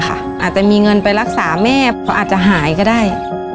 อาจจะมีเงินไปรักษาแม่เพราะอาจจะหายก็ได้